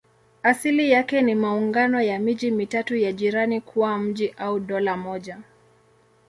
Asili yake ni maungano ya miji mitatu ya jirani kuwa mji au dola moja.